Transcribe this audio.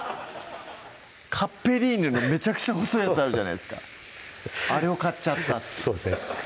カッペリーニのめちゃくちゃ細いやつあるじゃないですかあれを買っちゃったっていうそうですね